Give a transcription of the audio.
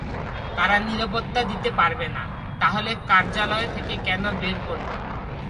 তারা নিরাপত্তা দিতে পারবে না, তাহলে কার্যালয় থেকে কেন বের করল।